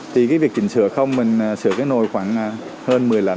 thì cái việc chỉnh sửa không mình sửa cái nồi khoảng hơn một mươi lần